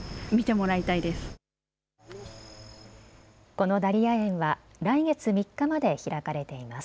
このダリア園は来月３日まで開かれています。